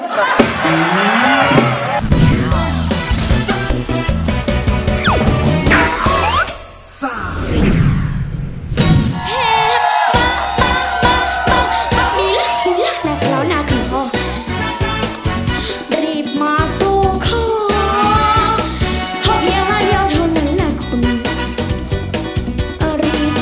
กรรมการจะให้คะแนนเท่าไหร่